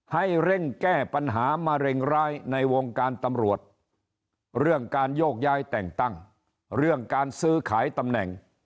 ให้เร่งแก้ปัญหามะเร็งร้ายในวงการตำรวจเรื่องการโยกย้ายแต่งตั้งเรื่องการซื้อขายตำแหน่ง